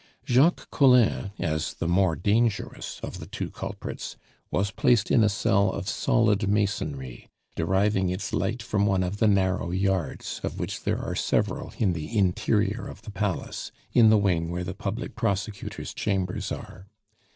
Jacques Collin, as the more dangerous of the two culprits, was placed in a cell of solid masonry, deriving its light from one of the narrow yards, of which there are several in the interior of the Palace, in the wing where the public prosecutor's chambers are.